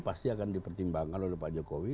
pasti akan dipertimbangkan oleh pak jokowi